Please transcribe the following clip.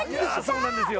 そうなんですよ